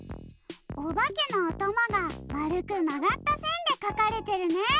おばけのあたまがまるくまがったせんでかかれてるね。